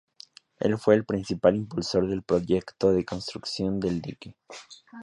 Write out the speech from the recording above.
Él fue el principal impulsor del proyecto de construcción del dique.